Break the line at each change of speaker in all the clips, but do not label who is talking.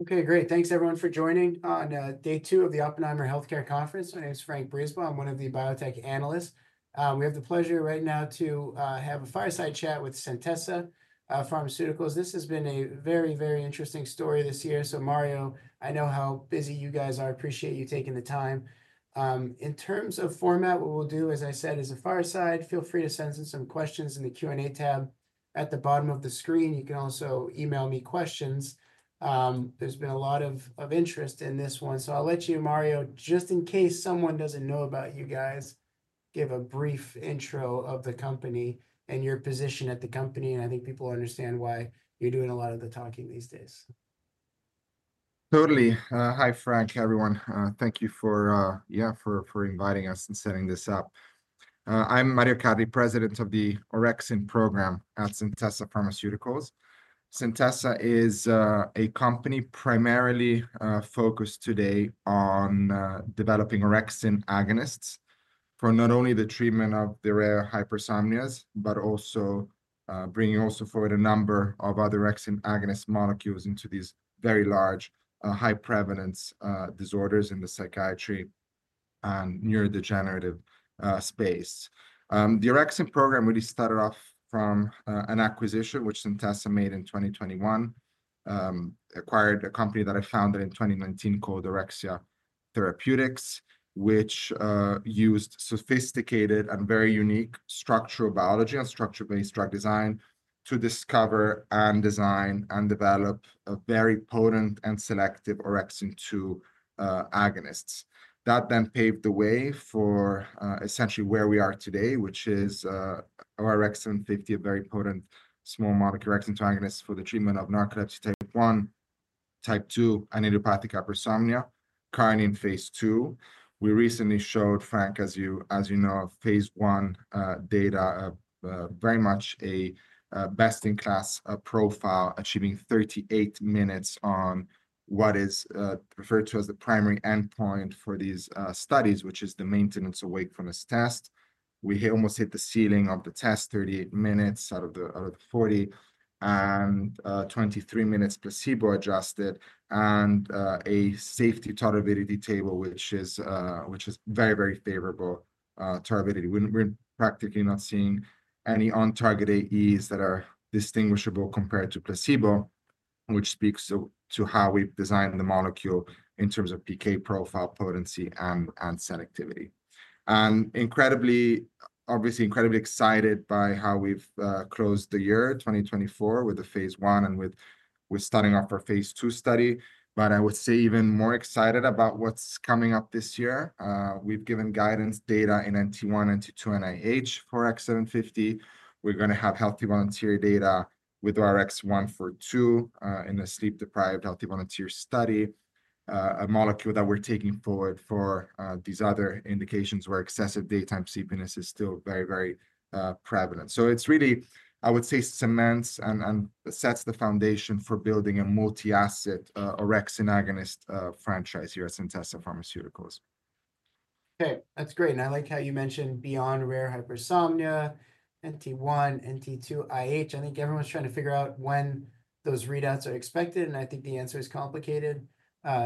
Okay, great. Thanks, everyone, for joining on day two of the Oppenheimer Healthcare Conference. My name is Frank Brisebois. I'm one of the biotech analysts. We have the pleasure right now to have a fireside chat with Centessa Pharmaceuticals. This has been a very, very interesting story this year. So, Mario, I know how busy you guys are. Appreciate you taking the time. In terms of format, what we'll do, as I said, is a fireside. Feel free to send in some questions in the Q&A tab at the bottom of the screen. You can also email me questions. There's been a lot of interest in this one. So I'll let you, Mario, just in case someone doesn't know about you guys, give a brief intro of the company and your position at the company. And I think people understand why you're doing a lot of the talking these days
Totally. Hi, Frank, everyone. Thank you for, yeah, for inviting us and setting this up. I'm Mario Accardi, President of the Orexin Program at Centessa Pharmaceuticals. Centessa is a company primarily focused today on developing orexin agonists for not only the treatment of the rare hypersomnias, but also bringing forward a number of other orexin agonist molecules into these very large high prevalence disorders in the psychiatry and neurodegenerative space. The Orexin program really started off from an acquisition, which Centessa made in 2021, acquired a company that I founded in 2019, called Orexia Therapeutics, which used sophisticated and very unique structural biology and structure-based drug design to discover and design and develop a very potent and selective orexin-2 agonist That then paved the way for essentially where we are today, which is our ORX750, a very potent small molecule orexin-2 agonist for the treatment of narcolepsy type 1, type 2, and idiopathic hypersomnia, currently in phase 2. We recently showed, Frank, as you know, phase 1 data very much a best-in-class profile, achieving 38 minutes on what is referred to as the primary endpoint for these studies, which is the maintenance of wakefulness test. We almost hit the ceiling of the test, 38 minutes out of the 40, and 23 minutes placebo-adjusted, and a safety and tolerability profile, which is very, very favorable tolerability. We're practically not seeing any on-target AEs that are distinguishable compared to placebo, which speaks to how we've designed the molecule in terms of PK profile, potency, and selectivity. And obviously, incredibly excited by how we've closed the year 2024 with phase 1 and with starting off our phase 2 study. But I would say even more excited about what's coming up this year. We've given guidance data in NT1, NT2, and IH for ORX750. We're going to have healthy volunteer data with ORX142 in a sleep-deprived healthy volunteer study, a molecule that we're taking forward for these other indications where excessive daytime sleepiness is still very, very prevalent. So it's really, I would say, cements and sets the foundation for building a multi-asset orexin agonist franchise here at Centessa Pharmaceuticals.
Okay, that's great. And I like how you mentioned beyond rare hypersomnia, NT1, NT2, IH. I think everyone's trying to figure out when those readouts are expected. And I think the answer is complicated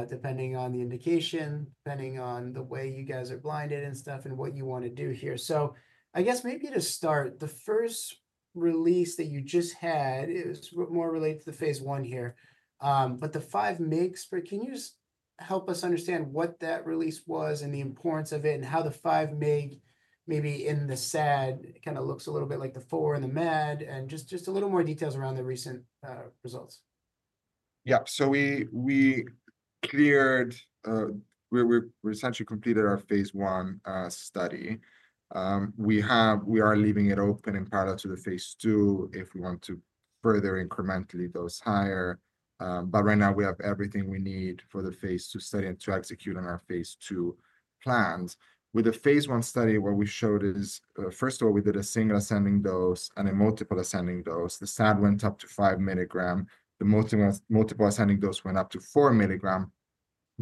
depending on the indication, depending on the way you guys are blinded and stuff and what you want to do here. So I guess maybe to start, the first release that you just had is more related to the phase 1 here. But the 5-mg, can you help us understand what that release was and the importance of it and how the 5-mg, maybe in the SAD, kind of looks a little bit like the 4-mg and the MAD, and just a little more details around the recent results?
Yeah, so we cleared, we essentially completed our phase 1 study. We are leaving it open in parallel to the phase 2 if we want to further incrementally dose higher. But right now, we have everything we need for the phase 2 study and to execute on our phase 2 plans. With the phase 1 study, what we showed is, first of all, we did a single ascending dose and a multiple ascending dose. The SAD went up to five milligrams. The multiple ascending dose went up to four milligrams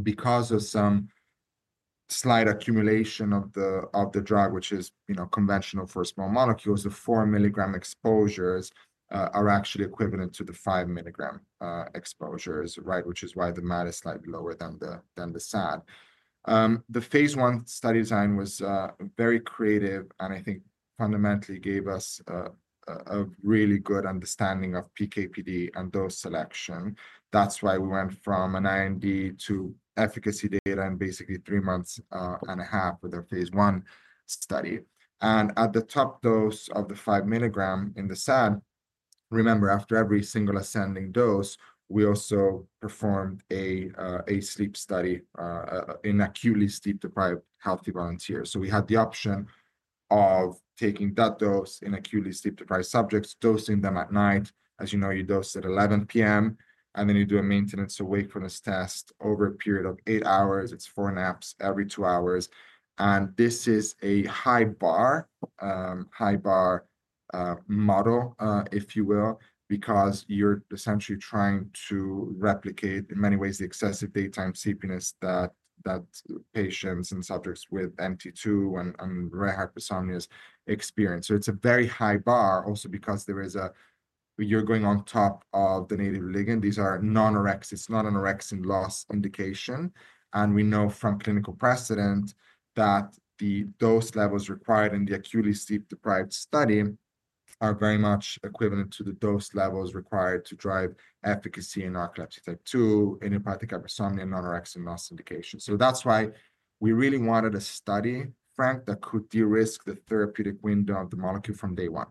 because of some slight accumulation of the drug, which is conventional for small molecules. The four milligram exposures are actually equivalent to the five milligram exposures, right, which is why the MAD is slightly lower than the SAD. The phase 1 study design was very creative, and I think fundamentally gave us a really good understanding of PKPD and dose selection. That's why we went from an IND to efficacy data in basically three months and a half with our phase 1 study. And at the top dose of the five milligram in the SAD, remember, after every single ascending dose, we also performed a sleep study in acutely sleep-deprived healthy volunteers. So we had the option of taking that dose in acutely sleep-deprived subjects, dosing them at night. As you know, you dose at 11:00 P.M., and then you do a Maintenance of Wakefulness Test over a period of eight hours. It's four naps every two hours. This is a high bar, high bar model, if you will, because you're essentially trying to replicate in many ways the excessive daytime sleepiness that patients and subjects with NT2 and rare hypersomnias experience. So it's a very high bar also because there is a, you're going on top of the native ligand. These are non-orexin, it's not an orexin loss indication. And we know from clinical precedent that the dose levels required in the acutely sleep-deprived study are very much equivalent to the dose levels required to drive efficacy in narcolepsy type 2, idiopathic hypersomnia, and non-orexin loss indication. So that's why we really wanted a study, Frank, that could de-risk the therapeutic window of the molecule from day one.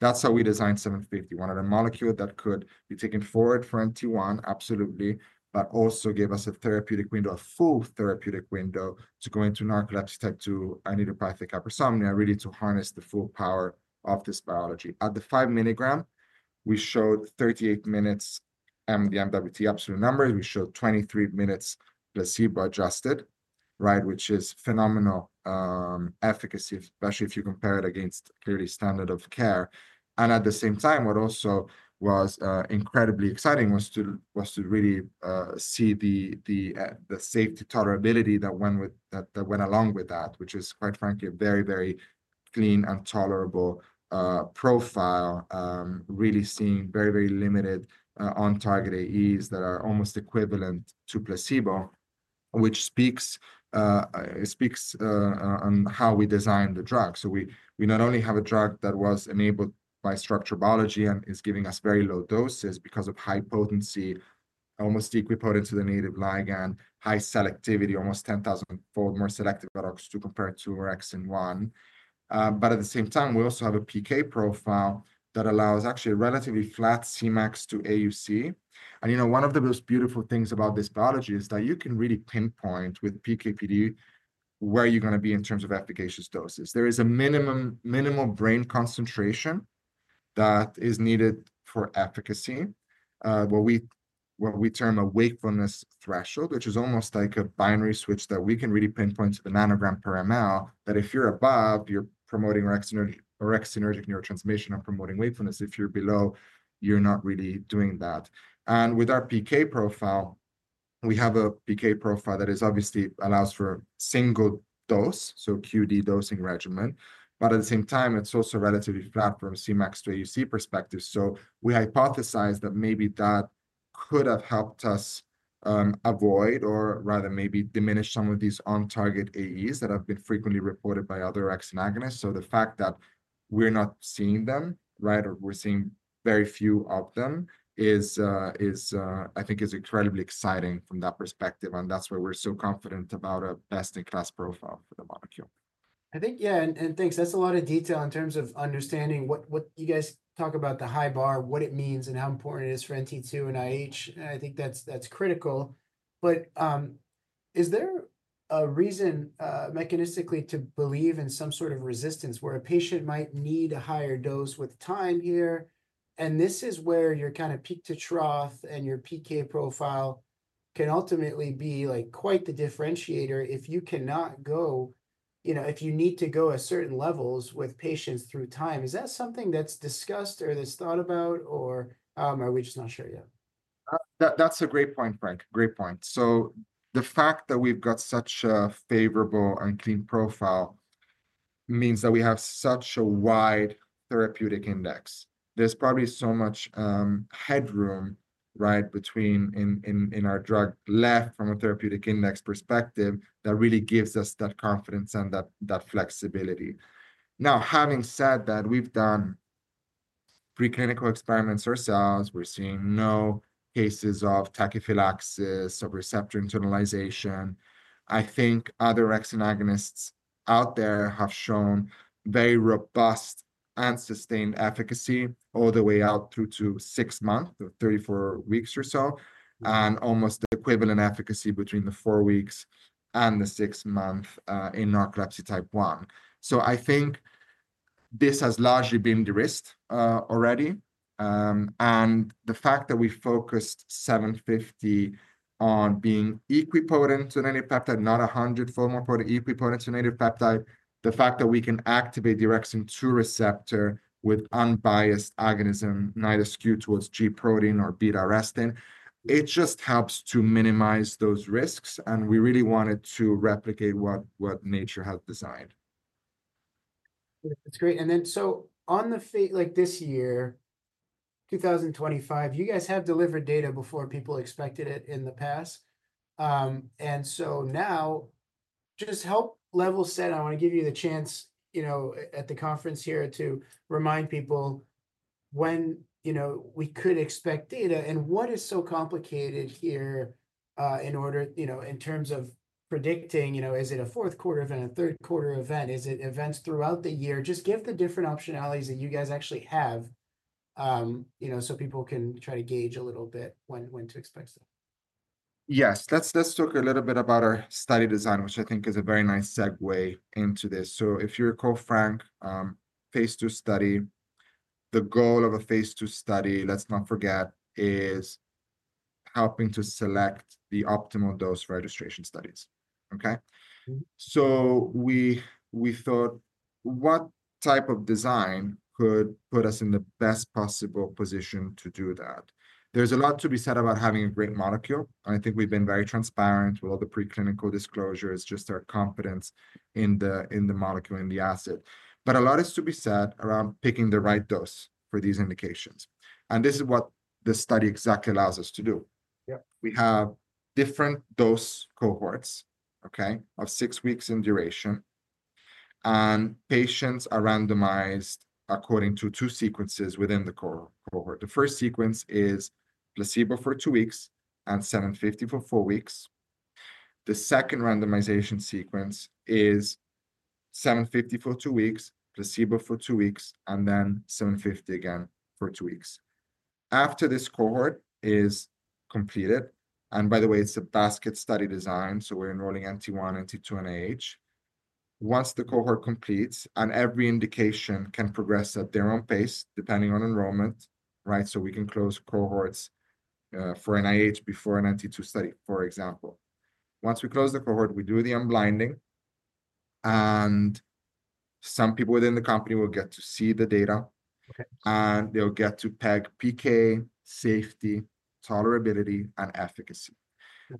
That's how we designed 750, one of the molecules that could be taken forward for NT1, absolutely, but also gave us a therapeutic window, a full therapeutic window to go into narcolepsy type 2, idiopathic hypersomnia, really to harness the full power of this biology. At the 5 milligram, we showed 38 minutes MWT, absolute numbers. We showed 23 minutes placebo-adjusted, right, which is phenomenal efficacy, especially if you compare it against clearly standard of care, and at the same time, what also was incredibly exciting was to really see the safety tolerability that went along with that, which is, quite frankly, a very, very clean and tolerable profile, really seeing very, very limited on-target AEs that are almost equivalent to placebo, which speaks on how we designed the drug. So we not only have a drug that was enabled by structural biology and is giving us very low doses because of high potency, almost equivalent to the native ligand, high selectivity, almost 10,000-fold more selective for OX2R compared to orexin-1. But at the same time, we also have a PK profile that allows actually a relatively flat Cmax to AUC. And you know, one of the most beautiful things about this biology is that you can really pinpoint with PKPD where you're going to be in terms of efficacious doses. There is a minimal brain concentration that is needed for efficacy, what we term a wakefulness threshold, which is almost like a binary switch that we can really pinpoint to the nanogram per mL, that if you're above, you're promoting orexinergic neurotransmission and promoting wakefulness. If you're below, you're not really doing that. And with our PK profile, we have a PK profile that obviously allows for single dose, so QD dosing regimen. But at the same time, it's also relatively flat from Cmax to AUC perspective. So we hypothesize that maybe that could have helped us avoid or rather maybe diminish some of these on-target AEs that have been frequently reported by other orexin agonists. So the fact that we're not seeing them, right, or we're seeing very few of them is, I think, incredibly exciting from that perspective. And that's why we're so confident about a best-in-class profile for the molecule.
I think, yeah, and thanks. That's a lot of detail in terms of understanding what you guys talk about, the high bar, what it means, and how important it is for NT2 and IH. And I think that's critical. But is there a reason mechanistically to believe in some sort of resistance where a patient might need a higher dose with time here? And this is where your kind of peak to trough and your PK profile can ultimately be like quite the differentiator if you cannot go, you know, if you need to go at certain levels with patients through time. Is that something that's discussed or that's thought about, or are we just not sure yet?
That's a great point, Frank. Great point. So the fact that we've got such a favorable and clean profile means that we have such a wide therapeutic index. There's probably so much headroom, right, between efficacy and our drug level from a therapeutic index perspective that really gives us that confidence and that flexibility. Now, having said that, we've done preclinical experiments ourselves. We're seeing no cases of tachyphylaxis or receptor internalization. I think other orexin agonists out there have shown very robust and sustained efficacy all the way out through to six months or 34 weeks or so, and almost the equivalent efficacy between the four weeks and the six months in narcolepsy type 1. So I think this has largely been de-risked already. The fact that we focused 750 on being equipotent to a native peptide, not 100-fold more potent, equipotent to a native peptide, the fact that we can activate the orexin-2 receptor with unbiased agonism, neither skewed towards G-protein or beta-arrestin, it just helps to minimize those risks. We really wanted to replicate what nature has designed.
That's great. And then so on the, like, this year, 2025, you guys have delivered data before people expected it in the past. And so now just help level set. I want to give you the chance, you know, at the conference here to remind people when, you know, we could expect data and what is so complicated here in order, you know, in terms of predicting, you know, is it a fourth quarter event, a third quarter event, is it events throughout the year? Just give the different optionalities that you guys actually have, you know, so people can try to gauge a little bit when to expect stuff.
Yes, let's talk a little bit about our study design, which I think is a very nice segue into this. So if you recall, Frank, phase 2 study, the goal of a phase 2 study, let's not forget, is helping to select the optimal dose registration studies. Okay? So we thought, what type of design could put us in the best possible position to do that? There's a lot to be said about having a great molecule. And I think we've been very transparent with all the preclinical disclosures, just our confidence in the molecule, in the asset. But a lot is to be said around picking the right dose for these indications. And this is what the study exactly allows us to do. We have different dose cohorts, okay, of six weeks in duration. And patients are randomized according to two sequences within the cohort. The first sequence is placebo for two weeks and 750 for four weeks. The second randomization sequence is 750 for two weeks, placebo for two weeks, and then 750 again for two weeks. After this cohort is completed, and by the way, it's a basket study design, so we're enrolling NT1, NT2, and IH. Once the cohort completes, and every indication can progress at their own pace depending on enrollment, right, so we can close cohorts for IH before an NT2 study, for example. Once we close the cohort, we do the unblinding. And some people within the company will get to see the data. And they'll get to peg PK, safety, tolerability, and efficacy.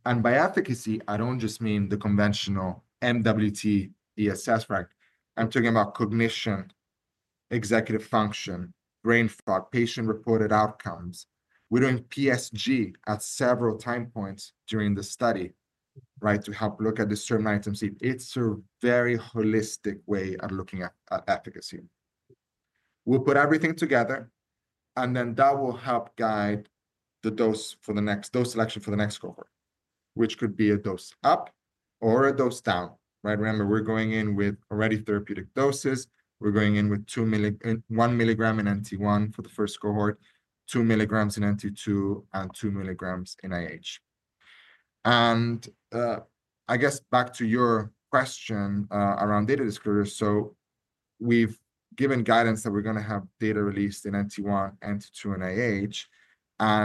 And by efficacy, I don't just mean the conventional MWT, ESS, right? I'm talking about cognition, executive function, brain fog, patient-reported outcomes. We're doing PSG at several time points during the study, right, to help look at the serum orexin. It's a very holistic way of looking at efficacy. We'll put everything together, and then that will help guide the dose for the next dose selection for the next cohort, which could be a dose up or a dose down, right? Remember, we're going in with already therapeutic doses. We're going in with one milligram in NT1 for the first cohort, two milligrams in NT2, and two milligrams in IH, and I guess back to your question around data disclosure, so we've given guidance that we're going to have data released in NT1, NT2, and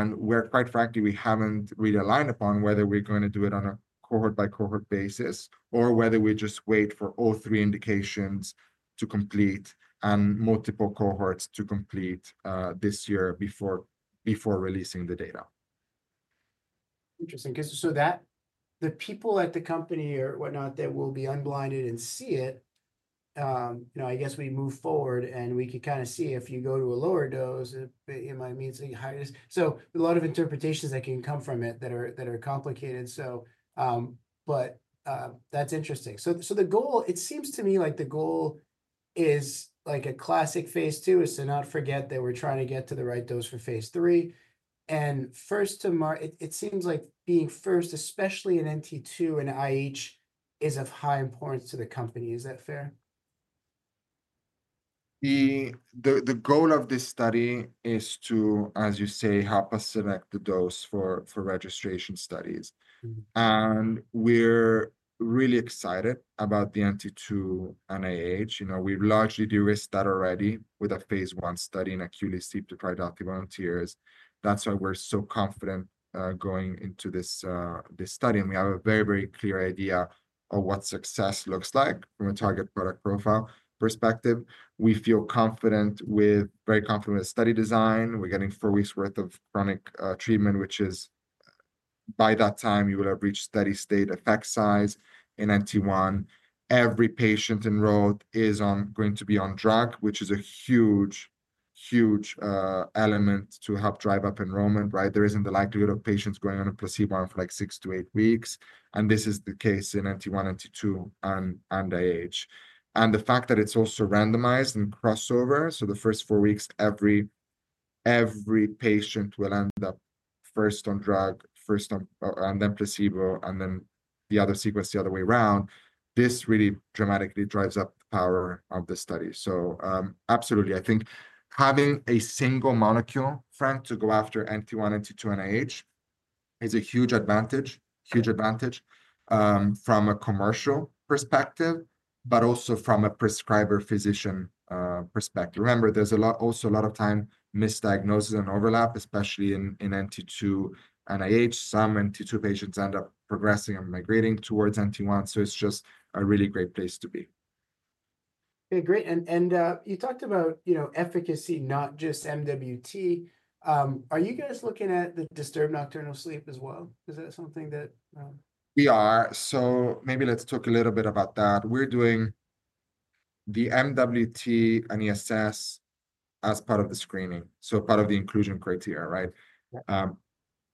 IH. We're, quite frankly, we haven't really aligned upon whether we're going to do it on a cohort-by-cohort basis or whether we just wait for all three indications to complete and multiple cohorts to complete this year before releasing the data.
Interesting, so that the people at the company or whatnot that will be unblinded and see it, you know, I guess we move forward and we can kind of see if you go to a lower dose, it might mean something higher, so a lot of interpretations that can come from it that are complicated, but that's interesting. So the goal, it seems to me like the goal is like a classic phase two is to not forget that we're trying to get to the right dose for phase three. And first-to-market, it seems like being first, especially in NT2 and IH, is of high importance to the company. Is that fair?
The goal of this study is to, as you say, help us select the dose for registration studies. We're really excited about the NT2 and IH. You know, we've largely de-risked that already with a phase one study in acutely sleep-deprived healthy volunteers. That's why we're so confident going into this study. We have a very, very clear idea of what success looks like from a target product profile perspective. We feel very confident with the study design. We're getting four weeks' worth of chronic treatment, which is by that time, you will have reached steady-state effect size in NT1. Every patient enrolled is going to be on drug, which is a huge, huge element to help drive up enrollment, right? There isn't the likelihood of patients going on a placebo for like six to eight weeks. And this is the case in NT1, NT2, and IH. And the fact that it's also randomized and crossover. So the first four weeks, every patient will end up first on drug, and then placebo, and then the other sequence the other way around. This really dramatically drives up the power of the study. So absolutely, I think having a single molecule, Frank, to go after NT1, NT2, and IH is a huge advantage, huge advantage from a commercial perspective, but also from a prescriber physician perspective. Remember, there's also a lot of time misdiagnosis and overlap, especially in NT2 and IH. Some NT2 patients end up progressing and migrating towards NT1. So it's just a really great place to be.
Okay, great. And you talked about, you know, efficacy, not just MWT. Are you guys looking at the disturbed nocturnal sleep as well? Is that something that?
We are. So maybe let's talk a little bit about that. We're doing the MWT and ESS as part of the screening, so part of the inclusion criteria, right?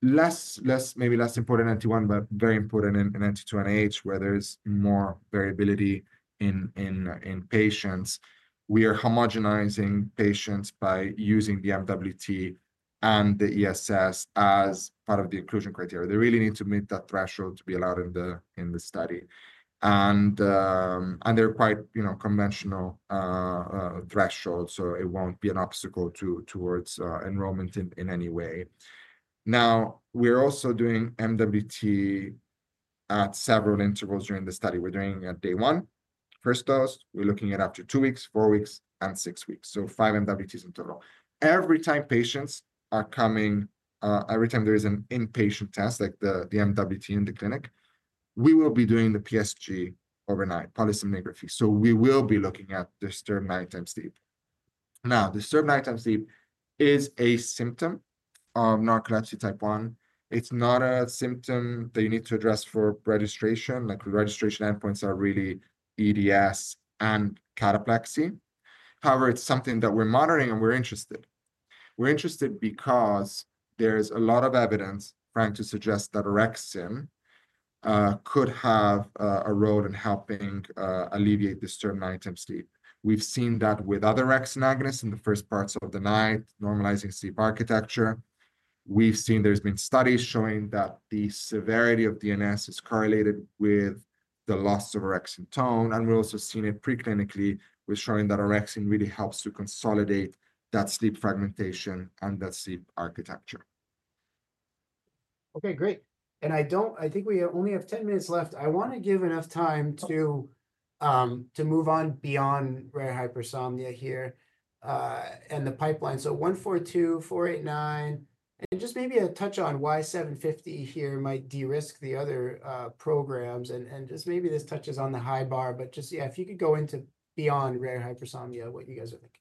Maybe less important in NT1, but very important in NT2 and IH where there's more variability in patients. We are homogenizing patients by using the MWT and the ESS as part of the inclusion criteria. They really need to meet that threshold to be allowed in the study. And they're quite, you know, conventional thresholds, so it won't be an obstacle towards enrollment in any way. Now, we're also doing MWT at several intervals during the study. We're doing a day one, first dose. We're looking at after two weeks, four weeks, and six weeks. So five MWTs in total. Every time patients are coming, every time there is an inpatient test, like the MWT in the clinic, we will be doing the PSG overnight, polysomnography. So we will be looking at disturbed nocturnal sleep. Now, disturbed nocturnal sleep is a symptom of narcolepsy Type 1. It's not a symptom that you need to address for registration. Like registration endpoints are really EDS and cataplexy. However, it's something that we're monitoring and we're interested. We're interested because there's a lot of evidence trying to suggest that orexin could have a role in helping alleviate disturbed nocturnal sleep. We've seen that with other orexin agonists in the first parts of the night, normalizing sleep architecture. We've seen there's been studies showing that the severity of DNS is correlated with the loss of orexin tone. We've also seen it preclinically with showing that orexin really helps to consolidate that sleep fragmentation and that sleep architecture.
Okay, great. And I don't, I think we only have 10 minutes left. I want to give enough time to move on beyond rare hypersomnia here and the pipeline. So 142, 489, and just maybe a touch on why 750 here might de-risk the other programs. And just maybe this touches on the high bar, but just, yeah, if you could go into beyond rare hypersomnia, what you guys are thinking.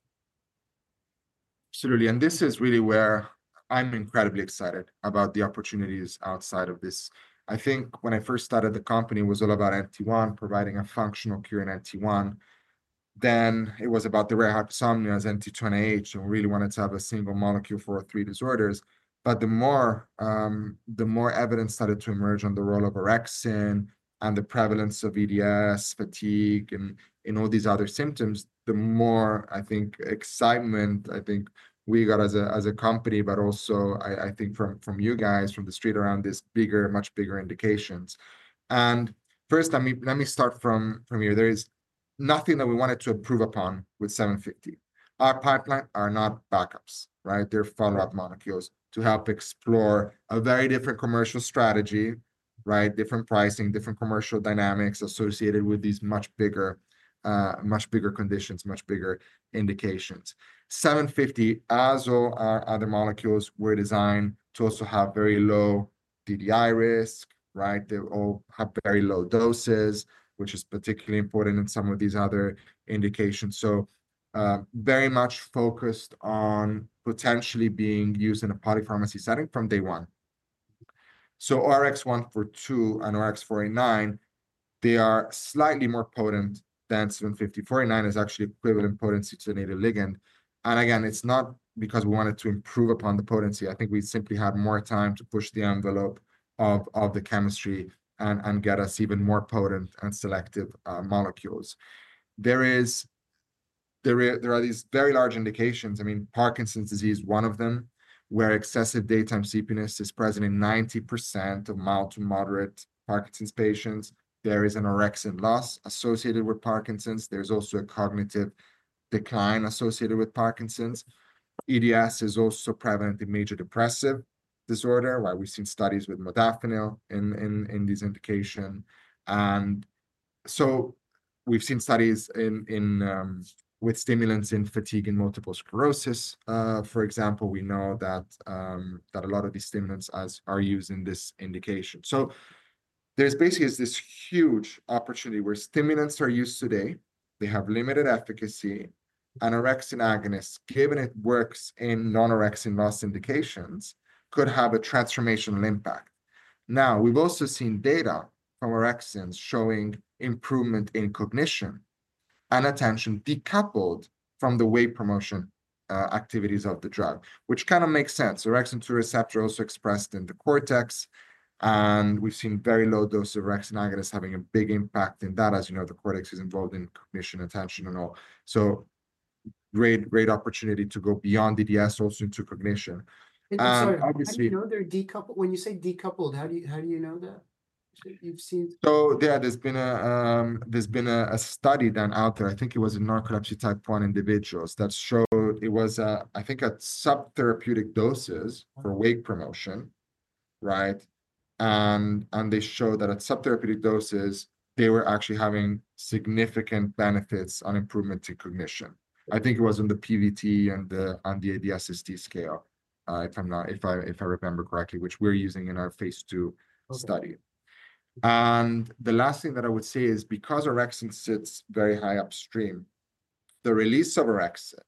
Absolutely. And this is really where I'm incredibly excited about the opportunities outside of this. I think when I first started the company, it was all about NT1, providing a functional cure in NT1. Then it was about the rare hypersomnia as NT2 and IH, and we really wanted to have a single molecule for three disorders. But the more evidence started to emerge on the role of orexin and the prevalence of EDS, fatigue, and all these other symptoms, the more I think excitement I think we got as a company, but also I think from you guys, from the street around these bigger, much bigger indications. And first, let me start from here. There is nothing that we wanted to improve upon with 750. Our pipeline are not backups, right? They're follow-up molecules to help explore a very different commercial strategy, right? Different pricing, different commercial dynamics associated with these much bigger, much bigger conditions, much bigger indications. ORX750, as all our other molecules, were designed to also have very low DDI risk, right? They all have very low doses, which is particularly important in some of these other indications. So ORX142 and ORX489, they are slightly more potent than ORX750. ORX489 is actually equivalent potency to the native ligand. And again, it's not because we wanted to improve upon the potency. I think we simply had more time to push the envelope of the chemistry and get us even more potent and selective molecules. There are these very large indications. I mean, Parkinson's disease is one of them, where excessive daytime sleepiness is present in 90% of mild to moderate Parkinson's patients. There is an orexin loss associated with Parkinson's. There's also a cognitive decline associated with Parkinson's. EDS is also prevalent in major depressive disorder, where we've seen studies with modafinil in these indications. And so we've seen studies with stimulants in fatigue and multiple sclerosis. For example, we know that a lot of these stimulants are used in this indication. So there's basically this huge opportunity where stimulants are used today. They have limited efficacy. And orexin agonists, given it works in non-orexin loss indications, could have a transformational impact. Now, we've also seen data from orexins showing improvement in cognition and attention decoupled from the wake promotion activities of the drug, which kind of makes sense. Orexin-2 receptor also expressed in the cortex. We've seen very low dose of orexin agonists having a big impact in that, as you know, the cortex is involved in cognition, attention, and all. Great, great opportunity to go beyond EDS also into cognition.
And I'm sorry, I didn't know they're decoupled. When you say decoupled, how do you know that? You've seen.
So yeah, there's been a study done out there. I think it was in Narcolepsy Type 1 individuals that showed it was, I think, at subtherapeutic doses for wake promotion, right? And they showed that at subtherapeutic doses, they were actually having significant benefits on improvement to cognition. I think it was on the PVT and the DSST scale, if I remember correctly, which we're using in our phase two study. And the last thing that I would say is because orexin sits very high upstream, the release of orexin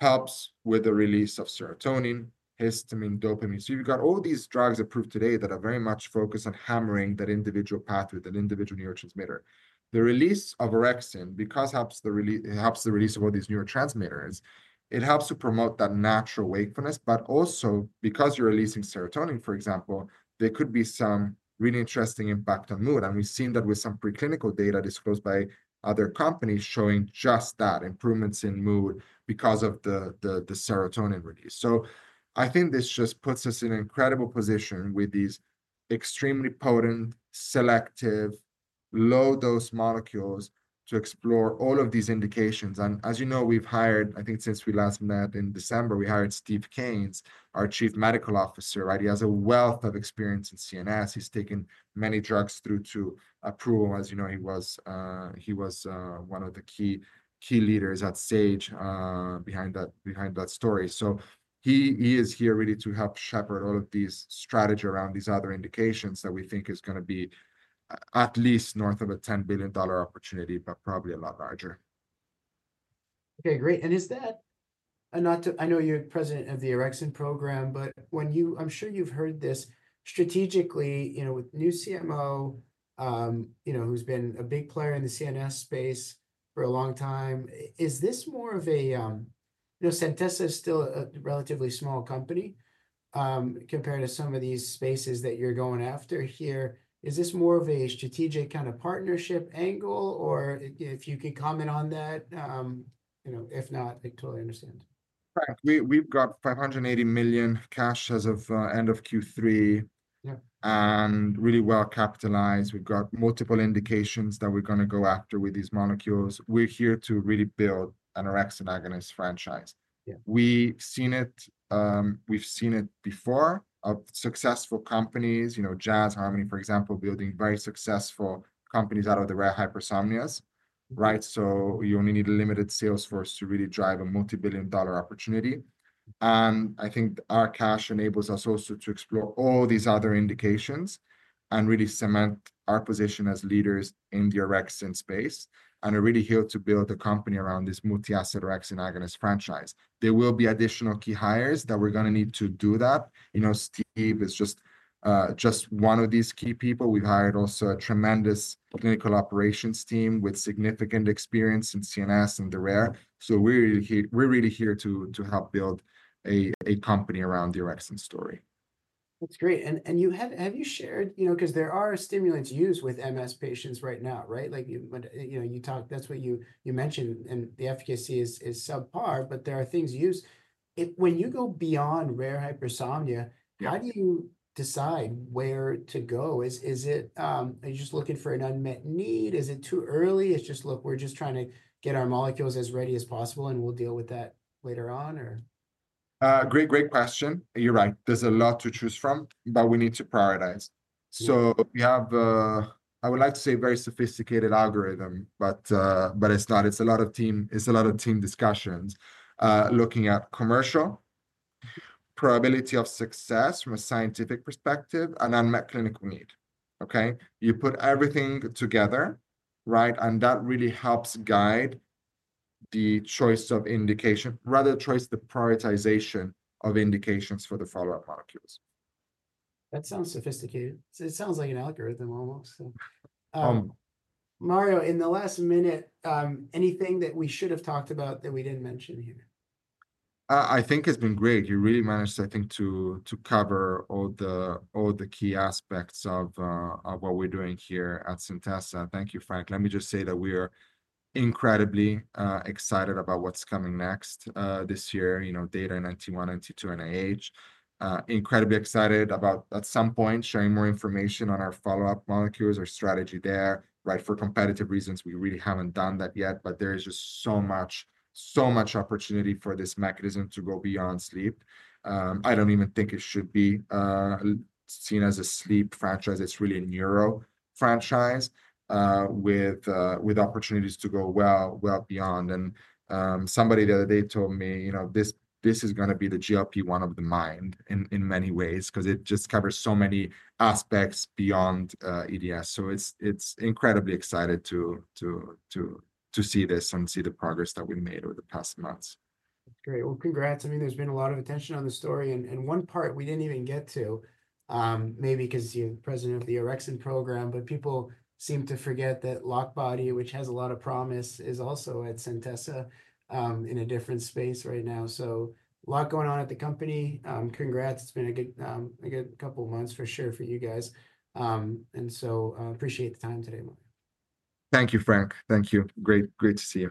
helps with the release of serotonin, histamine, dopamine. So you've got all these drugs approved today that are very much focused on hammering that individual pathway, that individual neurotransmitter. The release of orexin, because it helps the release of all these neurotransmitters, it helps to promote that natural wakefulness, but also because you're releasing serotonin, for example, there could be some really interesting impact on mood. And we've seen that with some preclinical data disclosed by other companies showing just that improvements in mood because of the serotonin release. So I think this just puts us in an incredible position with these extremely potent, selective, low-dose molecules to explore all of these indications. And as you know, we've hired, I think since we last met in December, we hired Steve Kanes, our Chief Medical Officer, right? He has a wealth of experience in CNS. He's taken many drugs through to approval. As you know, he was one of the key leaders at Sage behind that story. So he is here really to help shepherd all of these strategies around these other indications that we think is going to be at least north of a $10 billion opportunity, but probably a lot larger.
Okay, great. And is that a no to, I know you're President of the orexin program, but when you, I'm sure you've heard this strategically, you know, with new CMO, you know, who's been a big player in the CNS space for a long time, is this more of a, you know, Centessa is still a relatively small company compared to some of these spaces that you're going after here. Is this more of a strategic kind of partnership angle or if you could comment on that? You know, if not, I totally understand.
Right. We've got $580 million cash as of end of Q3 and really well capitalized. We've got multiple indications that we're going to go after with these molecules. We're here to really build an orexin agonist franchise. We've seen it. We've seen it before of successful companies, you know, Jazz, Harmony, for example, building very successful companies out of the rare hypersomnias, right? So you only need a limited sales force to really drive a multi-billion dollar opportunity, and I think our cash enables us also to explore all these other indications and really cement our position as leaders in the orexin space and are really here to build a company around this multi-asset orexin agonist franchise. There will be additional key hires that we're going to need to do that. You know, Steve is just one of these key people. We've hired also a tremendous clinical operations team with significant experience in CNS and the rare. So we're really here to help build a company around the orexin story.
That's great, and have you shared, you know, because there are stimulants used with MS patients right now, right? Like, you know, you talk, that's what you mentioned, and the efficacy is subpar, but there are things used. When you go beyond rare hypersomnia, how do you decide where to go? Is it, are you just looking for an unmet need? Is it too early? It's just, look, we're just trying to get our molecules as ready as possible, and we'll deal with that later on, or?
Great, great question. You're right. There's a lot to choose from, but we need to prioritize. So we have, I would like to say, a very sophisticated algorithm, but it's not. It's a lot of team, it's a lot of team discussions looking at commercial probability of success from a scientific perspective and unmet clinical need. Okay? You put everything together, right, and that really helps guide the choice of indication, rather choice the prioritization of indications for the follow-up molecules.
That sounds sophisticated. It sounds like an algorithm almost. Mario, in the last minute, anything that we should have talked about that we didn't mention here?
I think it's been great. You really managed, I think, to cover all the key aspects of what we're doing here at Centessa. Thank you, Frank. Let me just say that we are incredibly excited about what's coming next this year, you know, data in NT1, NT2, and incredibly excited about at some point sharing more information on our follow-up molecules or strategy there, right? For competitive reasons, we really haven't done that yet, but there is just so much, so much opportunity for this mechanism to go beyond sleep. I don't even think it should be seen as a sleep franchise. It's really a neuro franchise with opportunities to go well, well beyond, and somebody the other day told me, you know, this is going to be the GLP-1 of the mind in many ways because it just covers so many aspects beyond EDS. It's incredibly excited to see this and see the progress that we've made over the past months.
That's great. Well, congrats. I mean, there's been a lot of attention on the story. And one part we didn't even get to, maybe because you're the president of the orexin program, but people seem to forget that LockBody, which has a lot of promise, is also at Centessa in a different space right now. So a lot going on at the company. Congrats. It's been a good couple of months for sure for you guys. And so appreciate the time today, Mario.
Thank you, Frank. Thank you. Great, great to see you.